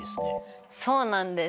そうなんです。